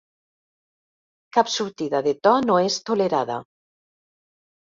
Cap sortida de to no és tolerada.